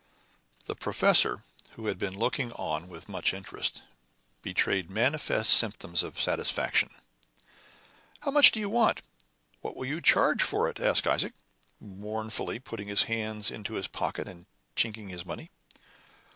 The professor, who had been looking on with much interest, betrayed manifest symptoms of satisfaction. "How much do you want? What will you charge for it?" asked Isaac, mournfully, putting his hand into his pocket and chinking his money.